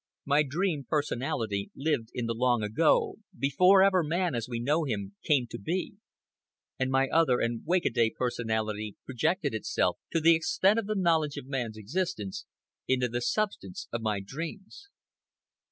My dream personality lived in the long ago, before ever man, as we know him, came to be; and my other and wake a day personality projected itself, to the extent of the knowledge of man's existence, into the substance of my dreams.